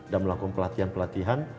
dan melakukan pelatihan pelatihan